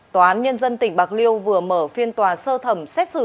tòa án nhân dân tỉnh bạc liêu vừa mở phiên tòa sơ thẩm xét xử